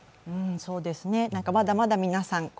そうですね、まだまだ皆さん